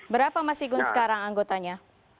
berapa mas igun sekarang anggotanya